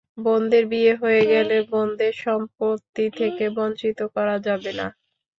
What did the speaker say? বোনদের বিয়ে হয়ে গেলেও বোনদের সম্পত্তি থেকে বঞ্চিত করা যাবে না।